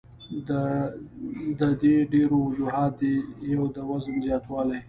د دې ډېر وجوهات دي يو د وزن زياتوالے ،